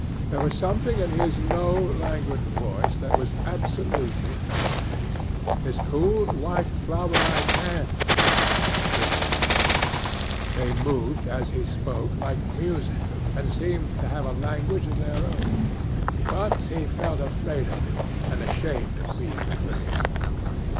There was something in his low languid voice that was absolutely fascinating. His cool, white, flowerlike hands, even, had a curious charm. They moved, as he spoke, like music, and seemed to have a language of their own. But he felt afraid of him, and ashamed of being afraid.